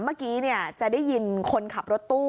เมื่อกี้จะได้ยินคนขับรถตู้